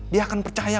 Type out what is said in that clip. dia akan percaya